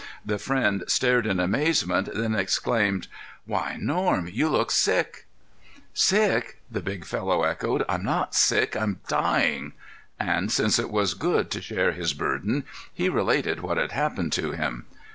The friend stared in amazement, then exclaimed: "Why, Norm! You look sick." "'Sick?'" the big fellow echoed. "I'm not sick; I'm dying." And, since it was good to share his burden, he related what had happened to him.